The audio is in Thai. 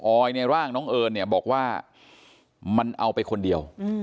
อยในร่างน้องเอิญเนี่ยบอกว่ามันเอาไปคนเดียว